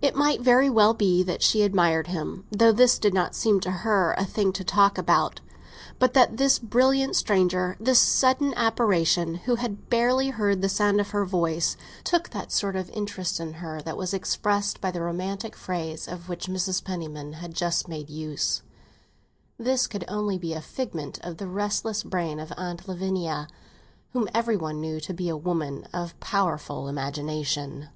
It might very well be that she admired him—though this did not seem to her a thing to talk about. But that this brilliant stranger—this sudden apparition, who had barely heard the sound of her voice—took that sort of interest in her that was expressed by the romantic phrase of which Mrs. Penniman had just made use: this could only be a figment of the restless brain of Aunt Lavinia, whom every one knew to be a woman of powerful imagination.